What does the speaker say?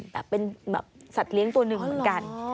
แต่เป็นแบบสัตว์เลี้ยงตัวหนึ่งเหมือนกัน